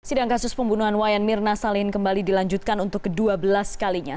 sidang kasus pembunuhan wayan mirna salihin kembali dilanjutkan untuk ke dua belas kalinya